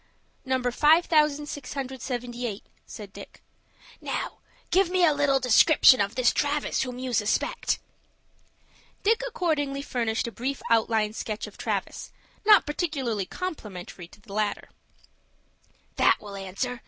"No. 5,678," said Dick. "Now give me a little description of this Travis whom you suspect." Dick accordingly furnished a brief outline sketch of Travis, not particularly complimentary to the latter. "That will answer.